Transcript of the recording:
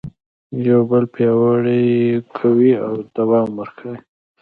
یو بل پیاوړي کوي او دوام ورکوي.